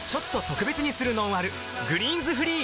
「グリーンズフリー」